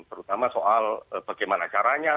terutama soal bagaimana caranya